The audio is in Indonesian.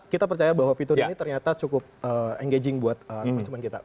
kita percaya bahwa fitur ini ternyata cukup engaging buat konsumen kita